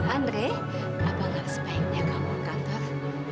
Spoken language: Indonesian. andre apa yang sebaiknya kamu kantor